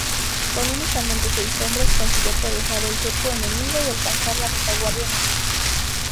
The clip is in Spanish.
Con únicamente seis hombres, consiguió atravesar el cerco enemigo y alcanzar la retaguardia enemiga.